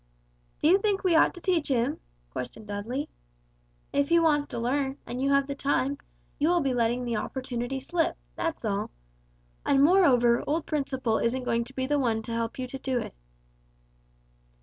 "Do you think we ought to teach him?" questioned Dudley. "If he wants to learn, and you have the time, you will be letting the opportunity slip, that's all. And moreover old Principle isn't going to be the one to help you do it."